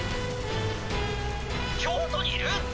京都にいる！？